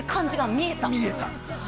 見えた。